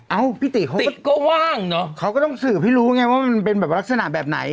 เอ้าติติก็ว้างเนอะเขาก็ต้องสื่อพี่รู้ไงว่ามันเป็นแบบลักษณะแบบไหน